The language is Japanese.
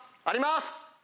あります！